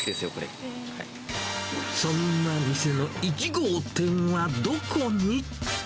そんな店の１号店はどこに？